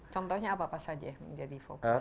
contohnya apa apa saja yang menjadi fokus